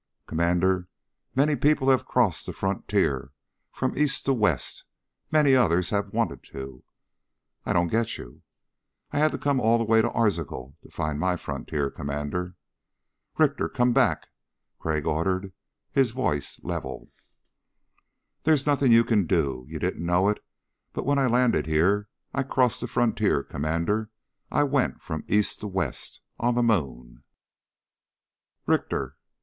"Commander, many people have crossed the frontier from East to West. Many others have wanted to." "I don't get you." "I had to come all the way to Arzachel to find my frontier, Commander." "Richter, come back," Crag ordered, his voice level. "There's nothing you can do. You didn't know it but when I landed here I crossed the frontier, Commander. I went from East to West, on the moon." "Richter...?"